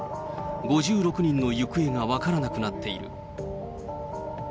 ５６人の行方が分からなくなっている。